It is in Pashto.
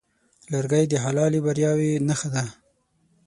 لرګی د حلالې بریاوې نښه ده.